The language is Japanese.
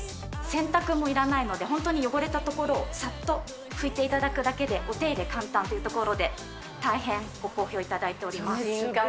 洗濯もいらないので、本当に汚れたところをさっと拭いていただくだけで、お手入れ簡単というところで、大変ご好評いただいております。